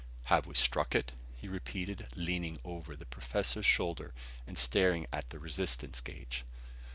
"Have we struck it?" he repeated, leaning over the professor's shoulder and staring at the resistance gauge.